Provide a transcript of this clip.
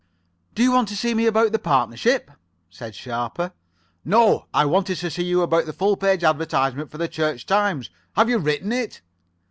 "Do you want to see me about the partnership?" said Sharper. "No. I wanted to see you about the full page advertisement for the 'Church Times.' Have you written it?"